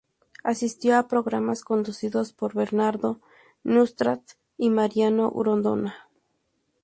Asistió a programas conducidos por Bernardo Neustadt y Mariano Grondona.